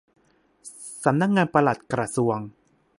สำนักงานปลัดกระทรวง